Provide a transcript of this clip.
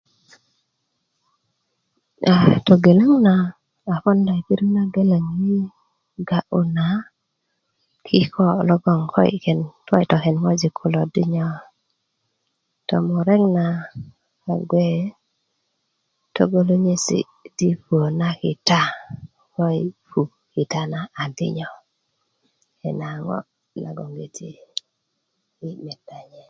to geleŋ na a punda yi pirit na geleŋ